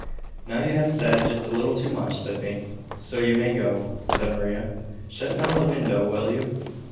"Now you have said just a little too much, Sydney; so you may go," said Maria. "Shut down the window, will you?"